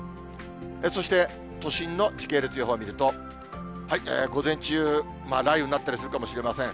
そして、都心の時系列予報見ると、午前中、雷雨になったりするかもしれません。